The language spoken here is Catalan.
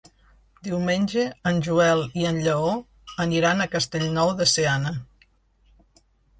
Diumenge en Joel i en Lleó aniran a Castellnou de Seana.